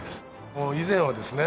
以前はですね